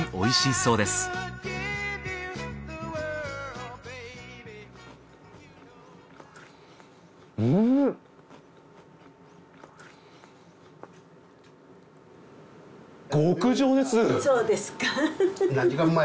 そうですか。